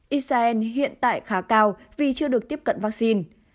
israel hiện tại khá cao vì chưa được tiếp cận vaccine